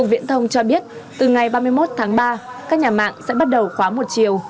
viện thông cho biết từ ngày ba mươi một tháng ba các nhà mạng sẽ bắt đầu khóa một chiều